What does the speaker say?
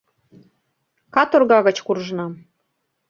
— Каторга гыч куржынам.